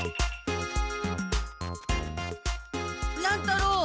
乱太郎。